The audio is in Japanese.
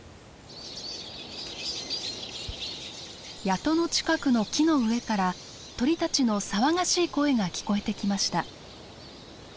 谷戸の近くの木の上から鳥たちの騒がしい声が聞こえてきました。